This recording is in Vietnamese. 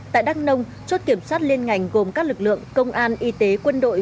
tại đắk nông chốt kiểm soát liên ngành gồm các lực lượng công an y tế quân đội